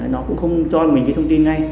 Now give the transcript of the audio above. nó cũng không cho mình cái thông tin ngay